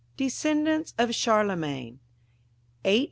Descendants of Charlemagne (814 843).